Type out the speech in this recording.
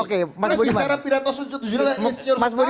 saya bicara pidato sujud juli